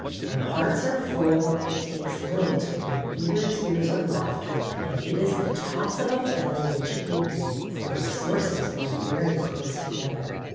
When hearts are full, it takes little to bring either tears or laughter and it is the toss of a feather which it will be, for their sources lie very close together.